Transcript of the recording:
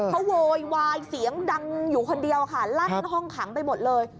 เขาโวยวายเสียงดังอยู่คนเดียวค่ะลั่นห้องขังไปหมดเลย